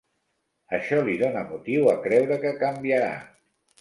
Això li dona motiu a creure que canviarà.